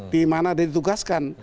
di mana dia ditugaskan